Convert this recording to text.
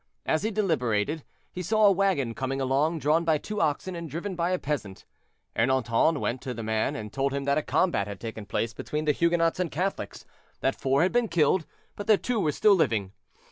As he deliberated, he saw a wagon coming along, drawn by two oxen, and driven by a peasant. Ernanton went to the man and told him that a combat had taken place between the Huguenots and Catholics, that four had been killed, but that two were still living.